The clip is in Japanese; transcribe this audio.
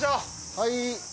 はい。